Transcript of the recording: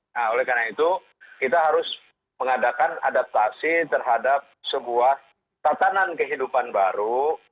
nah oleh karena itu kita harus mengadakan adaptasi terhadap sebuah tatanan kehidupan baru